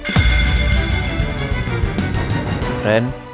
nanti aku akan coba